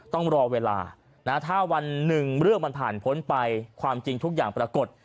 ต้องรอเวลาถ้าวันหนึ่งเรื่องมันผ่านพ้นไปความจริงทุกอย่างปรากฏ